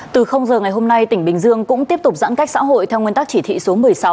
từ giờ ngày hôm nay tỉnh bình dương cũng tiếp tục giãn cách xã hội theo nguyên tắc chỉ thị số một mươi sáu